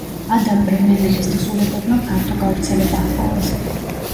ადამ ბრემენელის თხზულებებმა ფართო გავრცელება ჰპოვეს.